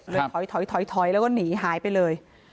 เลยถอยถอยถอยถอยแล้วก็หนีหายไปเลย